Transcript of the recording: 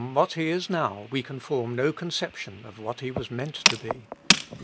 what he is now, we can form no conception of what he was meant to be.